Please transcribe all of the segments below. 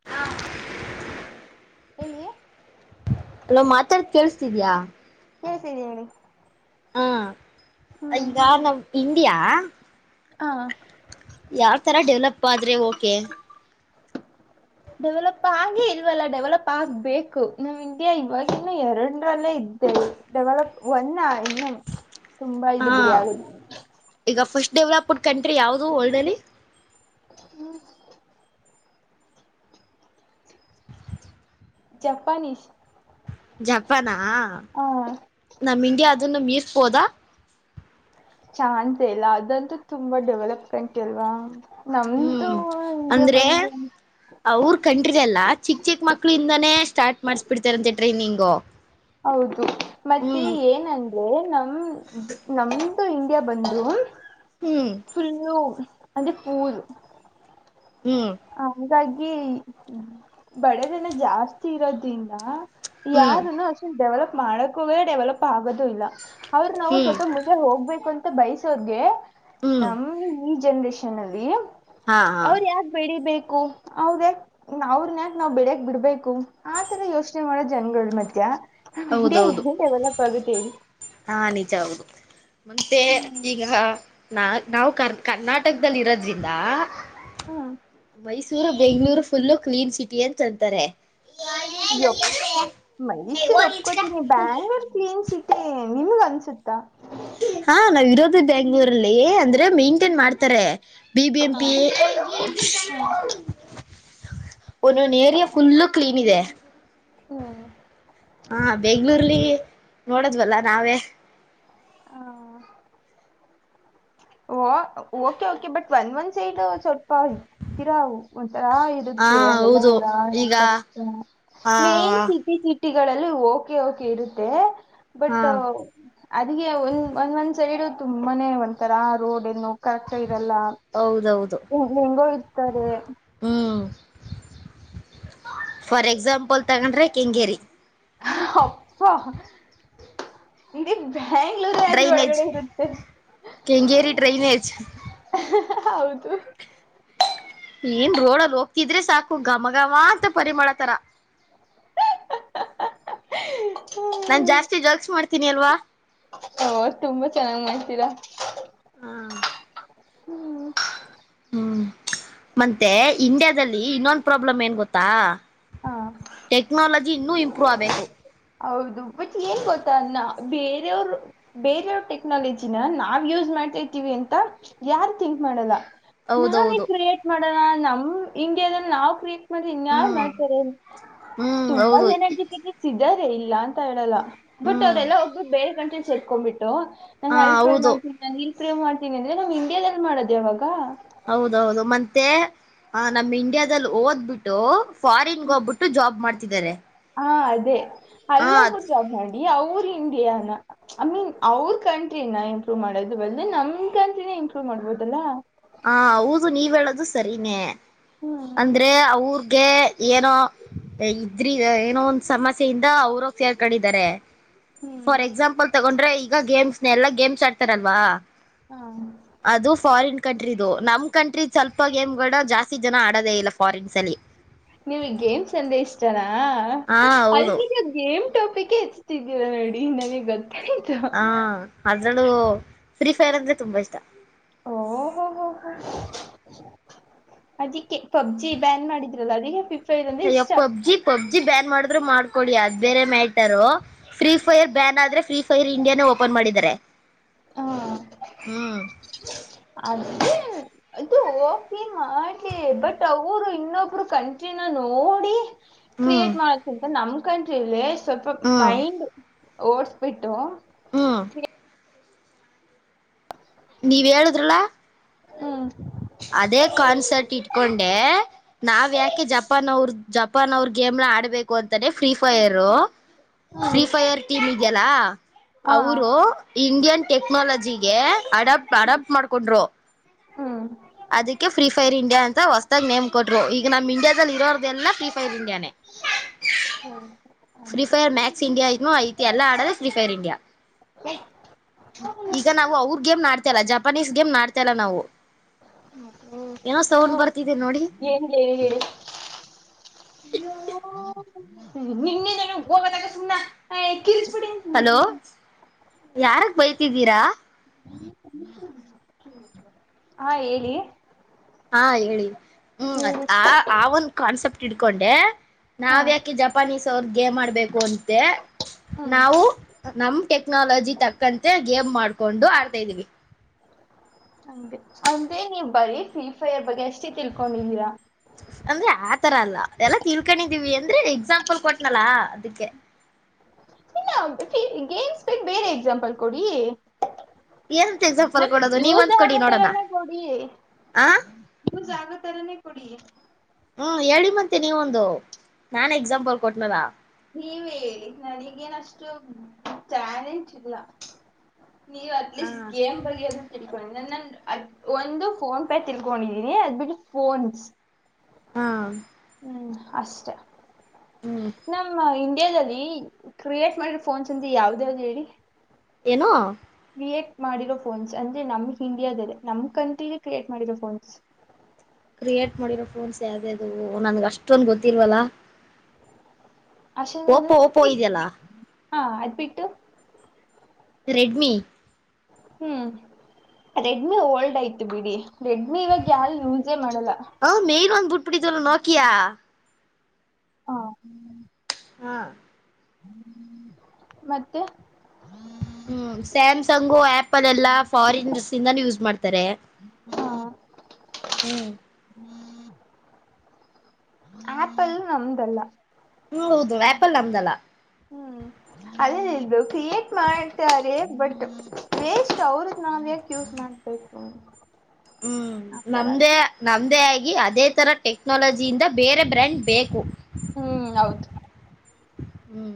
ಹ [inaudible] ಹೇಳಿಯ [unintelligible] ನಾವು ಮಾತಾಡದ ಕೇಳಸ್ತಿದ್ಯಾ ಕೇಳ್ತೀದೆ ಹೇಳಿ ಹಾ ಹ್ಮ್ ಈಗ ನಮ್ ಇಂಡಿಯಾ [unintelligible] ಹಾ, ಯಾವ ತರ ಡೆವಲಪ್ ಆದ್ರೆ ಓಕೆ ಡೆವಲಪ್ ಆಗಿ ಇಲ್ವಲ್ಲ ಡೆವಲಪ್ ಆಗ್ಬೇಕು. ನಮ್ ಇಂಡಿಯಾ ಇವವಾಗಿನ್ನು ಎರಡರಲ್ಲೇ ಇದ್ದೆ ಡೆವಲಪ್ ಒಂದ ಇನ್ನು ತುಂಬಾ ಹಾ ಇದೆ ಬಿ ಆಗದು. ಈಗ ಫಸ್ಟ್ ಡೆವಲಪ್ಡ್ ಕಂಟ್ರಿ ಯಾವುದು ವರ್ಡ್ನಲ್ಲಿ ಹ್ಮ [unintelligible] 'ಜಪಾನೀಸ್' 'ಜಪಾನಾ' ಹ ನಮ್ 'ಇಂಡಿಯಾ' ಅದನ್ನು ಮೀರಸ್ಬೋದಾ ಚಾನ್ಸ್ ಇಲ್ಲ ಅದಂತೂ ತುಂಬಾ ಡೆವಲಪ ಕಂಟ್ರಿ ಅಲ್ವಾ. ನಮ್ದು ಹ್ಮ್ ಇಂಡಿಯ ಬಂದ ಕಂಟ್ರಿಲಿ ಎಲ್ಲಾ ಚಿಕ್- ಚಿಕ್ ಮಕ್ಳಿಂದಾನೇ ಸ್ಟಾರ್ಟ್ ಮಾಡ್ಸ್ಬಿಡ್ತಾರಂತೆ ಟ್ರೈನಿಂಗು. ಹೌದು, ಮತ್ತೆ ಹ್ಮ್ ಏನ ಏಯ್ ನಮ ನಮ್ದು ಇಂಡಿಯಾ ಬಂದರು ಹ್ಮ್, ಫುಲ್ಲು ಅಂದೆ ಪೂದು [unintelligible] ಹ್ಮ್, ಹಂಗಾಗಿ ಬಡ ಜನ ಜಾಸ್ತಿ ಇರೋದ್ರಿಂದ ಹ್ಮ್ ಯಾರನ್ನು ಅಷ್ಟ ಡೆವಲಪ್ ಮಾಡೋಕ್ಕ ಹೋಗೇ ಡೆವಲಪ್ ಆಗೋದು ಇಲ್ಲ. ಅವರು ನಾವು ಹ್ಮ್ ಸ್ವಲ್ಪ ಹೋಗ್ಬೇಕು ಅಂತ ಬಯಸೋರಿಗೆ ಹ್ಮ್ ನಮ ಈ ಜನ್ರೇಷನ್ ಅಲ್ಲಿ ಹಾ ಹಾ ಅವ್ರ ಯಾಕ ಬೆಳಿಬೇಕು ಅವ್ರನ ಯ ಅವ್ರನ್ ಯಾಕ ನಾವ್ ಬೆಳಿಯಕ್ ಬಿಡ್ಬೇಕು. ಆತರ ಯೋಚನೆ ಮಾಡೋ ಜನಗಳ ಮಧ್ಯಾ ನಮ್ ಇಂಡಿಯಾ ಹೌದೌದು ಎಲ್ಲಿ ಡೆವಲಪ್ ಆಗುತ್ತೆ ಹೇಳಿ. ಹಾ ನಿಜ ಹೌದು ಮತ್ತೆ ಈಗ ನಾ ನಾವು ಕರ್ ಕರ್ನಾಟಕದಲ್ಲಿ ಇರೋದ್ರಿಂದ ಹ್ಮ್ Mysuru Bengaluru full clean city ಅಂತ ಅಂತಾರೆ ಯಪ್ ಮೈಸೂರು ಒಪ್ಕೋತೀನಿ ಬ್ಯಾಂಗ್ಳೂರ್ ಕ್ಲೀನ್ ಸಿಟಿ [unintelligible] ನಿಮ್ಗ ಅನ್ಸುತ್ತಾ ಹಾ ನಾವ್ ಇರೋದು ಬೆಂಗಳೂರಲ್ಲಿ ಅಂದ್ರೆ ಮೈಂಟೇನ್ ಮಾಡ್ತಾರೆ ಬಿ ಬಿ ಎಂ ಹ ಪಿ ಹ ಒಂದೊಂದು ಏರಿಯಾ ಫುಲ್ಲು ಕ್ಲೀನ್ ಇದೆ ಹ್ಮ್ ಹಾ ಬೆಂಗ್ಳೂರ್ಲ್ಲಿ ನೋಡದ್ವಲ್ಲ ನಾವೇ ಓ ಓಕೆ ಓಕೆ ಬಟ್ ಒಂದ ಒಂದ್ ಸೈಡ್ ಸ್ವಲ್ಪತೀರಾ ಒಂಥರಾ ಹಾ ಇರುತ್ತೆ ಅಲ್ಲಲ್ಲ ಹೌದು ಓಡಾಡ ಈಗ ಕಷ್ಟ ಹ ಮೆನ್ ಸಿಟಿ ಸಿಟಿಗಳಲ್ಲಿ ಓಕೆ ಓಕೆ ಇರುತ್ತೆ ಹಾ ಬಟ್ ಅದ ಒ ಒಂದ್ ಒಂದ್ ಸೈಡ್ ತುಂಬಾನೇ ಒಂತರ ಆ ರೋಡ್ ಇನ್ನು ಕರೆಕ್ಟಟಾಗಿ ಇರಲ್ಲ ಹೌದೌದು ಹೆಂಗ್ ಹೆಂಗೋ ಇರ್ತಾರೆ ಹ್ಮ್ ಫಾರ್ ಎಕ್ಸಾಂಪಲ್ ತಗೊಂಡ್ರೆ ಕೆಂಗೇರಿ ಅಪ್ಪ [unintelligible] ಬ್ಯಾಂಗ್ಳೂರ್ ಆದ್ರೂ ಡ್ರೈನೇಜ್ ಒಳಗಡೆ ಇರುತ್ತೆ. ಕೆಂಗೇರಿ ಡ್ರೈನೇಜ್ ಹೌದು ಏನ್ ರೋಡಲ್ಲಿ ಹೋಗ್ತಿದ್ರೆ ಸಾಕು ಮಘಮ ಅಂತ ಪರಿಮಳ ತಾರ [unintelligible] ನಾನ್ ಜಾಸ್ತಿ ಜೋಕ್ಸ್ ಮಾಡ್ತೀನಿ ಅಲ್ವಾ ಓ ತುಂಬಾ ಚೆನ್ನಾಗ್ ಮಾಡ್ತೀರಾ ಹಾಂ ಹ್ಮ್ ಹ್ಮ್ ಮತ್ತೆ ಇಂಡಿಯಾದಲ್ಲಿ ಇನ್ನೊಂದು ಪ್ರಾಬ್ಲಮ್ ಏನ್ ಗೊತ್ತಾ ಹ ಟೆಕ್ನಾಲಜಿ ಇನ್ನೂ ಇಂಪ್ರೂವ್ ಆಗ್ಬೇಕು ಹೌದು ಬಟ್ ಏನ್ ಗೊತ್ತ ಅನ್ನ ಬೇರೆಯವರು ಬೇರೆಯವ್ ಟೆಕ್ನಾಲಜಿನ ನಾವ್ ಯೂಸ್ ಮಾಡ್ತತಿವಿ ಅಂತ ಯಾರ್ ಥಿಂಕ್ ಮಾಡಲ್ಲ ನಾವೆ ಹೌದೌದು ಕ್ರಿಯೇಟ್ ಮಾಡೋಣ ನಮ್ ಹಿಂಗೆ ಅಂದ್ರೆ ನಾವ್ ಕ್ರಿಯೆಟ್ ಮಾಡ್ರಿ ಇನ್ಯಾರ್ ಹ್ಮ್ ಮಾಡ್ತಾರೆ ಹ್ಮ್ ತುಂಬಾ ಹೌದು ಜನ ಜೊತೆಗೆ ಸಿಗದೇ ಇಲ್ಲ ಅಂತ ಹೇಳಲ್ಲ ಬುಟ್ ಹ್ಮ್ ಅಲ್ಲ ಒಬ್ಬರು ಬೇರ್ ಗಂಟ ಚೆಲ್ಕೊಬಿಟ್ಟು ನಾನ್ ಹ ಅಲ್ ಪ್ರೂವೆ ಹೌದು ಮಾಡ್ತೀನಿ ನಾನ್ ಇಲ್ಲಿ ಪ್ರೂವ್ ಮಾಡ್ತಿನಿ ಅಂದ್ರೆ ನಮ್ ಇಂಡಿಯ್ಯಾದಲ್ಲಿ ಮಾಡೋದು ಯವಾಗ ಹೌದೌದು ಮತ್ತೆ ಆ ನಮ್ ಇಂಡಿಯಾದಲ್ಲಿ ಓದ್ಬಿಟ್ಟು ಫಾರಿನ್ಗೆ ಹೋಗ್ಬಿಟ್ಟು ಜಾಬ್ ಮಾಡ್ತಿದ್ದಾರೆ ಹಾ ಅದೇ ಅಲ್ ಹ ಹೋಗ್ಬಿಟ್ಟು ಜಾಬ್ ಮಾಡಿ ಅವರು ಹಿಂಡಿಯಾನ ಐ ಮೀನ್ ಅವ್ರ ಕಂಟ್ರಿನ ಇಂಪ್ರೂವ್ ಮಾಡೋದು ಬದ್ಲು ನಮ್ ಕಂಟ್ರಿನೇ ಇಂಪ್ರೂವ್ ಮಾಡ್ಬೋದಲ್ಲಾ ಹಾ ಹೌದು ನೀವ್ ಹೇಳೋದು ಸರಿನೇ. ಹ್ಮ್ ಅಂದ್ರೆ ಅವ್ರ್ಗೆ ಏನೋ ಇದ್ರ ಏನೋ ಒಂದ್ ಸಮಸ್ಯೆಯಿಂದ ಅವರು ಹೋಗಿ ಸೇರ್ಕೊಂಡಿದ್ದಾರೆ ಫಾರ್ ಎಕ್ಸಾಂಪಲ್ ತಗೊಂಡ್ರೆ ಈಗ ಗೇಮ್ಸ್ನ ಎಲ್ಲಾ ಗೇಮ್ಸ್ ಆಡ್ತಾರಲ್ವಾ ಹಾಂ ಅದು ಫಾರಿನ್ ಕಂಟ್ರಿದು ನಮ್ ಕಂಟ್ರಿ ಸ್ವಲ್ಪ ಗೇಮ್ಗಳ ಜಾಸ್ತಿ ಜನ ಆಡೋದೇ ಇಲ್ಲ ಫಾರಿನ್ಸ್ ಅಲ್ಲಿ ನಿಮ್ಗೆ ಗೇಮ್ಸ್ ಅಂದ್ರೆ ಇಷ್ಟನಾ ಹಾ ಹೌದು ಅದಿಕ್ಕೆ ಗೇಮ್ ಟಾಪಿಕ್ ಹೆಚ್ತಿದ್ದೀರ ನೋಡಿ ನನಗೆ ಗೊತ್ತಾಯ್ತು ಹ ಅದ್ರಲ್ಲು ಫ್ರೀ ಫೈರ್ ಅಂದ್ರೆ ತುಂಬಾ ಇಷ್ಟ. ಓ ಹೋ ಹೋ ಹೋ ಅದಿಕ್ಕೆ ಪಬ್ಜಿ ಬ್ಯಾನ್ ಮಾಡಿದ್ರಲ್ಲ ಅದಕ್ಕೆ ಫ್ರೀ ಅಯ್ಯೋ ಪಬ್ಜಿ ಪಬ್ಜಿ ಬ್ಯಾನ್ ಮಾಡಿದ್ರು ಮಾಡ್ಕೊಳ್ಳಿ ಅದ್ ಬೇರೆ ಮ್ಯಾಟರು. ಫ್ರೀ ಫೈರ್ ಬ್ಯಾನ್ ಆದ್ರೆ ಫ್ರೀ ಫೈರ್ ಇಂಡಿಯಾನೇ ಓಪನ್ ಮಾಡಿದ್ದಾರೆ ಹ್ಮ ಅದಕೆ. ಅದು ಓಕೆ ಮಾಡ್ಲಿ ಬಟ್ ಅವರು ಇನ್ನೊಬ್ರು ಕಂಟಿನ್ಯೂ ನೋಡಿ. ಹ್ಮ್ ಕ್ರಿಯೇಟ್ ಮಾಡೋಕ್ಕಿಂತ ನಮ್ ಕಂಟ್ರಿಲ್ಲಿ ಸ್ವಲ್ಪ ಹ್ಮ್ ಮೈಂಡ್. ಓಡ್ಸ್ ಬಿಟ್ಟು. ಹ್ಮ ನೀವ್ ಹೇಳದ್ರಲ್ಲಾ. ಹ್ಮ್ ಅದೇ ಕಾನ್ಸರ್ಟ್ ಇಟ್ಕೊಂಡೆ. ನಾವ್ ಯಾಕೆ ಜಪನ ಅವ್ರ ಜಪಾನ ಅವ್ರ ಗೇಮ್ನಾ ಆಡ್ಬೇಕು ಅಂತಾನೆ free fire. Free fire team ಇದೆಯಲ್ಲಾ. ಹಾ ಅವರು ಇಂಡಿಯನ್ ಟೆಕ್ನಾಲಜಿಗೆ ಅಡಪ್ಟ ಅಡಪ್ಟ್ ಮಾಡ್ಕೊಂಡ್ರು. ಹ್ಮ ಅದಕ್ಕೆ ಫ್ರೀ ಫೈರ್ ಇಂಡಿಯಾ ಅಂತ ಹೊಸದಾಗ ನೇಮ್ ಕೊಟ್ರು ಈಗ ನಮ್ ಇಂಡಿಯಾದಲ್ಲಿ ಇರೋರ್ದೆಲ್ಲಾ ಫ್ರೀಫೈರ್ ಇಂಡಿಯಾನೆ. ಹೌ ಫ್ರೀಫೈರ್ ಮ್ಯಾಕ್ಸ್ ಇಂಡಿಯನು ಐತಿ ಎಲ್ಲಾ ಆಡೋದು ಫ್ರೀಫೈರ್ ಇಂಡಿಯಾ. ಈಗ ನಾವು ಅವ್ರ ಗೇಮನಾ ಆಡ್ತಿಲ್ಲ ಜಪಾನೀಸ್ ಗೇಮ್ನಾ ಆಡ್ತಿಲ್ಲ ನಾವು. ಏನೋ ಸೌಂಡ್ ಬರ್ತಿದ್ದೇ ನೋಡಿ. ಏನು ಹೇಳಿ ಹೇಳಿ. ನಿಂದೇನು ಹೋಗಆತ್ತಾಗ ಸುಮ್ನಾ. ಏ ಕಿರಿಚ್ಬೇಡಿ [unintelligible] ಯಾರಿಗ ಬೈತಿದ್ದೀರಾ. ಹಾ ಹೇಳಿ. ಹಾ ಹೇಳಿ ಹ್ಮ್ ಹೇಳಿ ಆ ಆ ಒಂದು ಕಾನ್ಸೆಪ್ಟ್ ಇಟ್ಕೊಂಡೇ. ಹಾ ನಾವ್ಯಾಕೆ ಜಪಾನೀಸ್ ಅವ್ರ ಗೇಮ್ ಆಡಬೇಕು ಅಂತೆ. ಹ್ಮ್ ನಾವು ನಮ್ ಟೆಕ್ನಾಲಜಿ ತಕ್ಕಂತೆ ಗೇಮ್ ಮಾಡ್ಕೊಂಡು ಆಡ್ತಾ ಇದ್ದೀವಿ. ಹಂಗೆ ಅಂದ್ರೆ ನೀವ್ ಬರೀ ಫ್ರೀ ಫೈರ್ ಬಗ್ಗೆ ಅಷ್ಟೇ ತಿಳ್ಕೊಂಡಿದ್ದೀರಾ. ಅಂದ್ರೆ ಆತರ ಅಲ್ಲಾ ಎಲ್ಲಾ ತಿಳ್ಕೊಂಡಿದೀವಿ ಅಂದ್ರೆ ಎಕ್ಸಾಂಪಲ್ ಕೊಟ್ನಲ್ಲ ಅದಕ್ಕೆ. ಇಲ್ಲ ಗೇಮ್ಸ್ ಬಿಟ್ಟ ಬೇರೆ. ಬೇರೆ ಎಕ್ಸಾಂಪಲ್ ಕೊಡಿ. ಏನಂತ ಎಕ್ಸಾಂಪಲ್ ನನ್ಗ ಕೊಡೋದು ಯೂಸ ನೀವಂದ್ ಕೊಡಿ ನೋಡೋಣ ಆಗೋತರನೆ ಕೊಡಿ. ಆ [unintelligible] ಹ್ಮ್ ಹೇಳಿ ಮತ್ತೆ ನೀವೊಂದು ನಾನ್ ಎಕ್ಸಾಂಪಲ್ ಕೊಟ್ನಲ್ಲ. ನೀವೆ ಹೇಳಿ ನನಗೇನಷ್ಟು ಟ್ಯಾಲೆಂಟ್ ಇಲ್ಲಾ. ನೀವು ಹಾ ಅಟ್ಲೀಸ್ಟ್ ಗೇಮ್ ಬಗೆಯದು. ತಿಳ್ಕೊಂಡ ನಾನ ಅದ್ ಒಂದು ಫೋನ್ ಪೇ ತಿಳ್ಕೊಂಡಿದ್ದೀನಿ ಅದ್ ಬಿಟ್ಟು ಫೋನ್ಸ್. ಹಾ ಹ್ಮ್ ಅಷ್ಟೇ ಹ್ಮ್ ನಮ್ಮ ಇಂಡಿಯಾದಲ್ಲಿ. ಕ್ರಿಯೇಟ್ ಮಾಡಿರೋ ಫೋನ್ಸ್ ಅಂತ ಯಾವದ ಯಾವಾದ ಹೇಳಿ. ಏನು ಕ್ರಿಯೇಟ್ ಮಾಡಿರೋ ಫೋನ್ಸ್ ಅಂದ್ರೆ ನಮ್ ಇಂಡಿಯಾದಲ್ಲಿ ನಮ್ ಕಂಟ್ರಿಲಿ ಕ್ರಿಯೇಟ್ ಮಾಡಿರೋ ಫೋನ್ಸ್. ಕ್ರಿಯೇಟ್ ಮಾಡಿರೋ ಫೋನ್ಸ್ ಯಾವವುದ ಅ ನನ್ಗೆ ಅಷ್ಟೊಂದು ಗೊತ್ತಿರ್ವಲ್ಲ ಅಷೆ ಹಾ ಅದ್ಬಿಟ್ಟು ಇಟ್ಟು ರೆಡ್ಮಿ ಹ್ಮ್ ರೆಡ್ಮಿ ಓಲ್ಡ್ ಆಯ್ತು ಬಿಡಿ ರೆಡ್ಮಿ ಇವಾಗ ಯಾವು ಯೂಸೇ ಮಾಡಲ್ಲ ಪುಡಿ ತಲ ನಕಿಯಾ ಹಾ ಹಾ ಮತ್ತೆ ಹ್ಮ್ ಸ್ಯಾಮ್ಸಂಗು ಆಪಲ್ ಎಲ್ಲಾ ಫಾರಿನ್ಸ್ಂದಾನ ಯೂಸ್ ಮಾಡ್ತಾರೆ ಹ ಹ್ಮ್ ಆಪಲ್ ನಮ್ದಲ್ಲ ಹ್ಮ್ ಹೌದು ವ್ಯಾಪಲ್ ನಮ್ದಲ್ಲಾ ಹ್ಮ್ ಅದೇನ ಇಲ್ದು ಕ್ರಿಯೇಟ್ ಮಾಡ್ತಾರೆ ಬಟ್ ವೇಷ್ಟ ಅವ್ರ ನಾವ ಯಾಕ್ ಯೂಸ್ ಮಾಡ್ಬೇಕು ಹ್ಮ್ ಆತರ ನಮ್ದೇ ನಮ್ಮದೇ ಆಗಿ ಅದೇ ಥರ ಟೆಕ್ನಾಲಜಿಯಿಂದ ಬೇರೆ ಬ್ರ್ಯಾಂಡ್ ಬೇಕು ಹ್ಮ್ ಹೌದು ಹ್ಮ್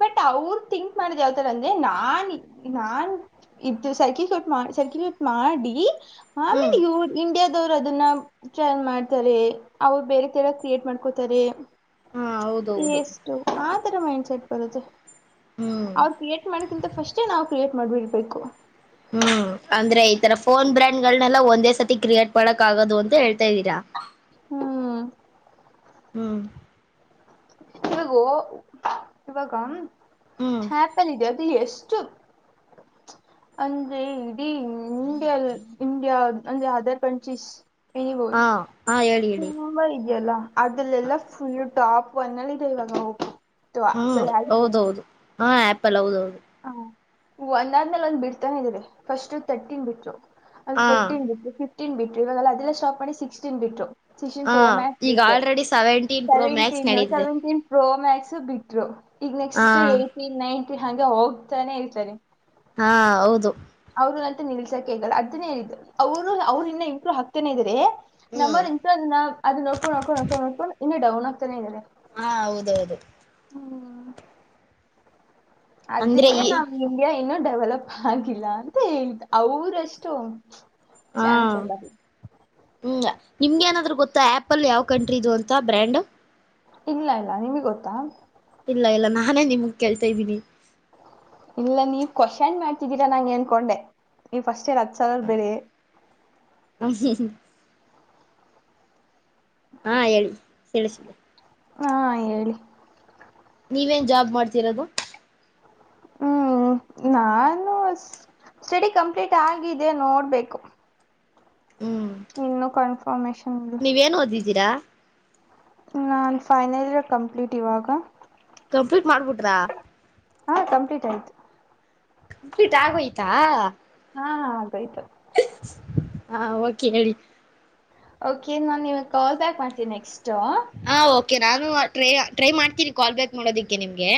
ಬಟ್ ಅವ್ರ ಥಿಂಕ್ ಮಾಡದ್ ಯಾವತರ ಅಂದ್ರೆ ನಾನ್ ನಾನ್ ಇದು ಸರ್ಕಟ್ ಸರ್ಕಲೇಟ್ ಮಾಡಿ ಆಮೇಲೆ ಹ್ಮ್ ಇ ಇಂಡಿಯ ರು ಅದನ್ನ ಟ್ರೈನ್ ಮಾಡ್ತಾರೆ ಅವ್ರು ಬೇರೆ ತರ ಕ್ರಿಯೇಟ್ ಮಾಡ್ಕೋತಾರೆ ಹಾ ಹೌದೌದು ಎಷ್ಟು ಆತರ ಮೈಂಡ್ಸೆಟ್ ಬರುತ್ತೆ ಹ್ಮ್ ಅವ ಕ್ರಿಯೇಟ್ ಮಾಡಕಿಂತ ಫಸ್ಟೇ ನಾವು ಕ್ರಿಯೇಟ್ ಮಾಡಿಬಿಡ್ಬೇಕು ಹ್ಮ್ ಅಂದ್ರೆ ಈ ತರ ಫೋನ್ ಬ್ರ್ಯಾಂಡ್ಗಳನೆೆಲ್ಲ ಒಂದೇ ಸತಿ ಕ್ರಿಯೇಟ್ ಮಾಡಕ್ ಆಗೋದು ಅಂತ ಹೇಳ್ತಾ ಇದ್ದೀರಾ ಹ್ಮ್ ಹ್ಮ್ ಇಗೋ ಇವಾಗ ಹ್ಮ್ ಹಾ ಪಂದಿದ್ದ ಅದುಲ್ಲಿ ಎಷ್ಟು ಅಂದ್ರೆ ಇಡೀ ಇಂಡಿಯ ಇಂಡಿಯಾ ಅಂದ್ರೆ ಅದರ್ ಕಂಟ್ರೀಸ್ ಇಬೋದು ಹಾ ಹಾ ಹೇಳಿ ಹೇಳಿ ತುಂಬ ಇದೆಯಲ್ಲಾ ಅದಲ್ಲೆಲ್ಲ ಫುಲ್ ಟಾಪ್ ಒನ್ನಳಿದೆವಾಗ ಹ [unintelligible] ಹ್ಮ್ ಹೌದೌದು ಹಾ ಆಪಲ್ ಹೌದೌದು ಹ ಒಂದ ಅವರ್ನೇ ಒಂದ್ ಬಿಡ್ತಾನ ಇದ್ರೆ ಫಸ್ಟ್ ತರ್ಟಿನ್ ಬಿಟ್ರು ಒಂದು ಹಾ ಫೋರ್ಟನ್ ಬಿಟ್ರು ಫಿಫ್ಟೀನ್ ಬಿಟ್ರು ಇವಾಗಲ್ಲ ಅದೆಲ್ಲ ಶ್ಟಾಪ್ ಮಾಡಿ ಸಿಕ್ಸ್ಟೀನ್ ಬಿಟ್ರು ಸಿಕ್ಟೀನ್ ಹಾ ಪ್ರೋ ಮ್ಯಾಕ್ಸ್ ಈಗ ಬಿಟ್ರು already seventeen pro max seventeen ನಡೀತಿದೆ ಸೆವೆಂಟೀನ್ ಪ್ರೋ ಮ್ಯಾಕ್ಸ್ ಬಿಟ್ರು ಈಗ ಹಾ ನೆಕ್ಸ್ಟ್ ಏತಿ ನೈನ್ಟ ಹಗೆ ಹೋಗ್ತಾನೆ ಇರ್ತಾನ ಹಾ ಹೌದು ಅವರುನಂತ ನಿಲ್ಸಕಗಲ್ಲ ಅದನ್ನೇ ಹೇಳಿದ್ದು ಅವರು ಅವರು ಇನ್ನ ಇಂಪ್ರೂವ್ ಹಾಕ್ತಾನನೆ ಇದ್ರೆ ನಮ್ಮ ಹ್ಮ್ ದನ್ನ ಅದು ನೋಡ್ಕೊಂಡ ನಡ್ಕೊಂಡ ನಡ್ಕೊಂಡು ನೋಕೊಂಡು ಇನ್ನು ಡೌನ್ ಆಗ್ತಾನೇ ಇದ್ದಾರೆ ಹಾ ಹೌದೌದು ಹ್ಮ ಅಂದ್ರೆ ಅದಕ್ಕೆ ಈ ನಾ ಇಂಡಿಯಾ ಇನ್ನು ಡೆವಲಪ್ ಆಗಿಲ್ಲ ಅಂತ ಹೇಳ್ತ ಅವ್ರಷ್ಟು ಹಾ ಚಾನ್ಸ್ ಎಲ್ಲ ಹ್ಞ ನಿಮ್ಗೆ ಏನಾದ್ರೂ ಗೊತ್ತಾ ಆ್ಯಪಲ್ ಯಾವ ಕಂಟ್ರಿ ದು ಅಂತ ಬ್ರ್ಯಾಂಡು ಇಲ್ಲ ಇಲ್ಲ ನಿಮ್ಗೆ ಗೊತ್ತಾ ಇಲ್ಲ ಇಲ್ಲ ನಾನೇ ನಿಮಗ್ ಕೇಳ್ತಾ ಇದ್ದೀನಿ ಇಲ್ಲ ನೀವ್ ಕೋಶನ್ ಮಾಡ್ತಿದ್ದೀರಾ ನನಗೆ ಅನ್ಕೊಂಡೆ ನೀವ್ ಫಸ್ಟ್ ಏರ್ ಹತ್ ಸಾವಿರ ಬೆರೇ ಹೂ ಹೂ ಹಾ ಹೇಳಿ ಕೇಳಿಸಿದೆ ಹಾ -ಹೇಳಿ ನೀವೇನ್ ಜಾಬ್ ಮಾಡ್ತಿರೋದು ಹ್ಮ್ ನಾನು ಸ್ಟಡಿ ಕಂಪ್ಲೀಟ್ ಆಗಿದೆ ನೋಡ್ಬೇಕು ಹ್ಮ್ ಇನ್ನು ಕ [unintelligible] ನೀವೇನ್ ಓದಿದ್ದೀರಾ ನಾನು ಫೈನಲ್ ಇಯರ್ ಕಂಪ್ಲೀಟ್ ಇವಾಗ ಕಂಪ್ಲೀಟ್ ಮಾಡ್ಬಿಟ್ರಾ ಹಾ- ಕಂಪ್ಲೀಟ್ ಆಯ್ತು ಕಂಪ್ಲೀಟ್ ಆಗೋಯ್ತಾ- ಹಾ ಹಾ ಆಗೋಯ್ತು ಹ- ಓಕೆ ಹೇಳಿ ಓಕೆ ನಾನ್ ಇವಗ್ ಕಾಲ್ ಬ್ಯಾಕ್ ಮಾಡ್ತೀನಿ ನೆಕ್ಸ್ಟ್ ಹಾ ಓಕೆ ನಾನು ಟ್ರೈ ಟ್ರೈ ಮಾಡ್ತೀನಿ ಕಾಲ್ ಬ್ಯಾಕ್ ಮಾಡೋದಿಕ್ಕೆ ನಿಮ್ಗೆ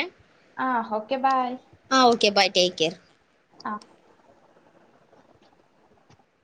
ಹಾ- ಓಕೆ ಬಾಯ್ ಹಾ-ಓಕೆ ಬಾಯ್ ಟೇಕ್ ಕೇರ್ರ್ ಹಾ